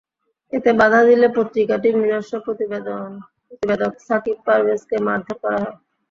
এতে বাধা দিলে পত্রিকাটির নিজস্ব প্রতিবেদক সাকিব পারভেজকে মারধর করা হয়।